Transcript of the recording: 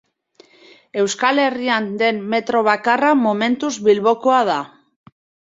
Euskal Herrian den metro bakarra, momentuz, Bilbokoa da.